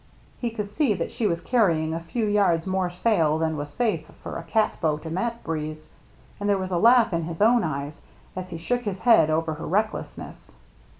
He could see that she was carrying a few yards more sail than was safe for a catboat in that breeze, and there was a laugh in his own eyes as he shook his head over her recklessness.